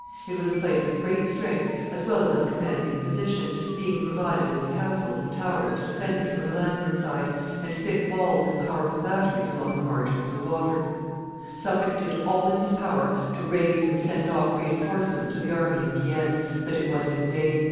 It was a place of great strength as well as of commanding position, being provided with castles and towers to defend it from the landward side, and thick walls and powerful batteries along the margin of the water. [Footnote 11: See map.] [Sidenote: Bordeaux lost.] Suffolk did all in his power to raise and send off re enforcements to the army in Guienne, but it was in vain.